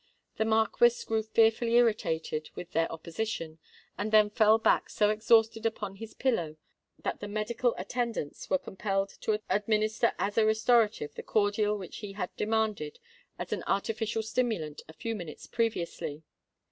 The Marquis grew fearfully irritated with their opposition, and then fell back so exhausted upon his pillow, that the medical attendants were compelled to administer as a restorative the cordial which he had demanded as an artificial stimulant a few minutes previously.